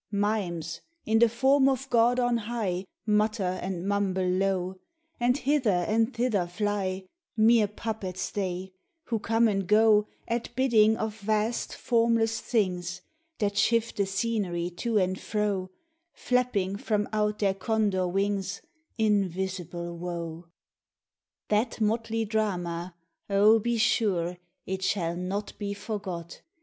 Mimes, in the form of God on high, Mutter and mumble low, And hither and thither fly—Mere puppets they, who come and goAt bidding of vast formless thingsThat shift the scenery to and fro, Flapping from out their Condor wingsInvisible Woe! That motley drama—oh, be sureIt shall not be forgot!